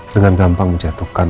dengan gampang menjatuhkan